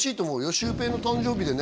シュウペイの誕生日でね